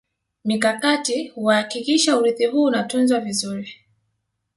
Mikakati kuhakikisha urithi huu unatunzwa vizuri